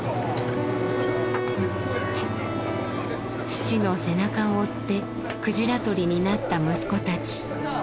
父の背中を追って鯨とりになった息子たち。